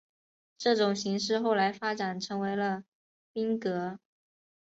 这种形式后来发展成为了赋格。